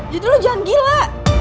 jadi lo jangan gila